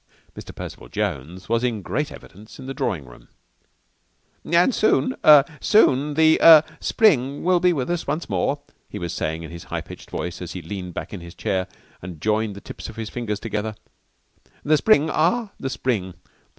Mr. Percival Jones was in great evidence in the drawing room. "And soon er soon the er Spring will be with us once more," he was saying in his high pitched voice as he leant back in his chair and joined the tips of his fingers together. "The Spring ah the Spring!